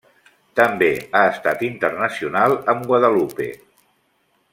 També ha estat internacional amb Guadalupe.